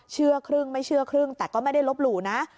เชื่อครึ่งไม่เชื่อครึ่งแต่ก็ไม่ได้ลบหลู่นะ